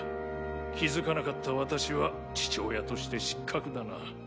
気付かなかった私は父親として失格だな。